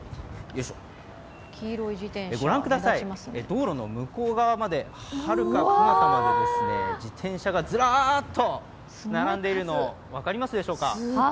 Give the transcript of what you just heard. ご覧ください、道路の向こう側まではるかかなたまで自転車がずらっと並んでいるのを分かりますでしょうか？